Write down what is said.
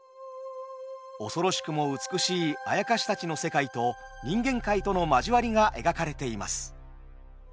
恐ろしくも美しいあやかしたちの世界と人間界との交わりが描かれています。